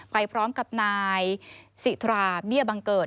ไปพร้อมกับนายสิทราเบี้ยบังเกิด